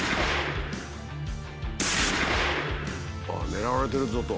「狙われてるぞ」と。